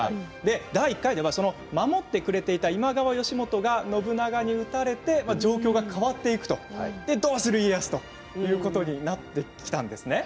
第１回では守ってくれていた今川義元が信長に討たれて状況が変わっていくというどうする家康ということになっていくわけですね。